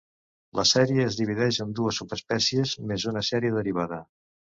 La sèrie es divideix en dues subsèries, més una sèrie derivada.